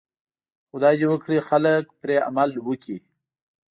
خدای دې وکړي خلک پرې عمل وکړي.